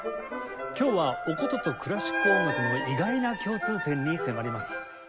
今日はお箏とクラシック音楽の意外な共通点に迫ります。